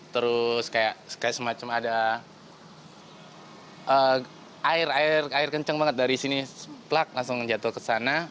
terus kayak semacam ada air air kenceng banget dari sini seplak langsung jatuh ke sana